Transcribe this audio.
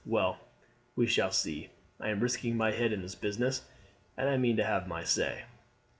Well, we shall see. I am risking my head in this business, and I mean to have my say."